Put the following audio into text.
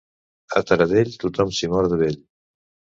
A Taradell, tothom s'hi mor de vell.